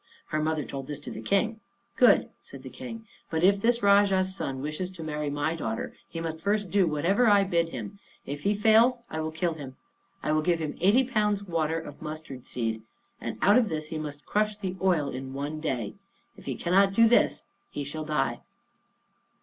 Her mother told this to the King. "Good," said the King; "but if this Rajah's son wishes to marry my daughter, he must first do whatever I bid him. If he fails I will kill him. I will give him eighty pounds weight of mustard seed, and out of this he must crush the oil in one day. If he cannot do this he shall die."